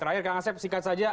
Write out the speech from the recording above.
terakhir kang asep singkat saja